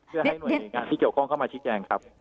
เพื่อให้หน่วยงานที่เกี่ยวข้องเข้ามาชี้แจงครับ